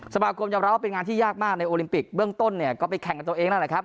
สมัครกรมยาวร้าวเป็นงานที่ยากมากในโอลิมปิกเบื้องต้นก็ไปแข่งกันตัวเอง